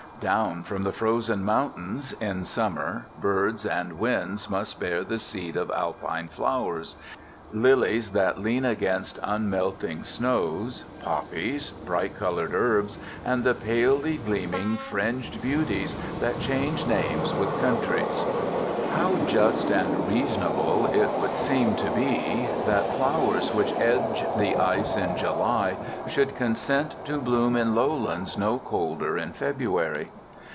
Down from the frozen mountains, in summer, birds and winds must bear the seed of alpine flowers lilies that lean against unmelting snows, poppies, bright colored herbs, and the palely gleaming, fringed beauties that change names with countries. How just and reasonable it would seem to be that flowers which edge the ice in July should consent to bloom in lowlands no colder in February!